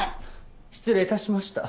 失礼致しました。